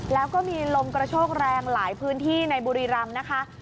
แล้วก็มีลมกระโชกแรงหลายพื้นที่ในบุรีรำนะคะ